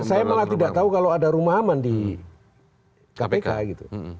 saya malah tidak tahu kalau ada rumah aman di kpk gitu